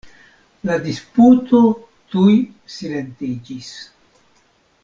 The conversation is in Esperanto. La disputo tuj silentiĝis.